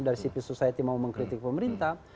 dari civil society mau mengkritik pemerintah